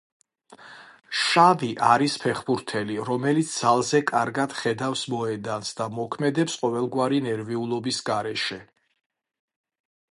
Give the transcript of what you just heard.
შავი არის ფეხბურთელი, რომელიც ძალზე კარგად ხედავს მოედანს და მოქმედებს ყოველგვარი ნერვიულობის გარეშე.